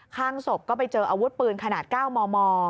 ข้างศพก็ไปเจออาวุธปืนขนาด๙มม